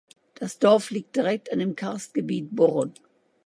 Das Dorf liegt direkt an dem Karstgebiet Burren.